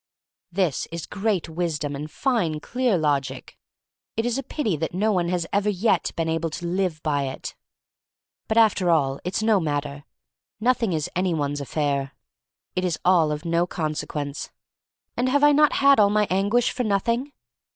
This is great wisdom and fine, clear logic. It is a pity that no one has ever yet been able to live by it. But after all it's no matter. Nothing is any one's affair. It is all of no con sequence. And have I not had all my anguish for nothing?